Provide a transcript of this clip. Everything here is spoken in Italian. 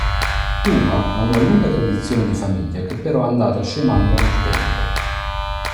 Puma ha una lunga tradizione di famiglia che però è andata scemando nel tempo.